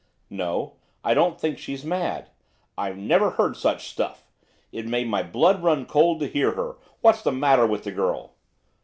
'No, I don't think she's mad.' 'I never heard such stuff, it made my blood run cold to hear her. What's the matter with the girl?